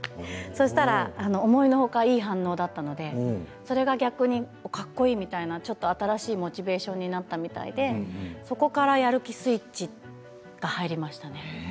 そうしたら思いのほかいい反応だったのでそれが逆にかっこいいみたいなちょっと新しいモチベーションになったみたいでそこからやる気スイッチが入りましたね。